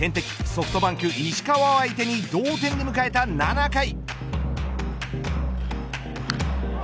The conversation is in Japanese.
ソフトバンク石川を相手に同点で迎えた７回。